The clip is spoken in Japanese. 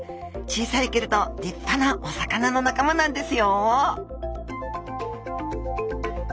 小さいけれど立派なお魚の仲間なんですよ